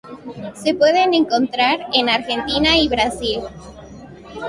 Se pueden encontrar en Argentina y Brasil.